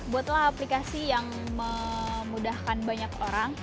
buatlah aplikasi yang memudahkan banyak orang